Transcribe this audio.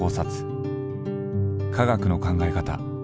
科学の考え方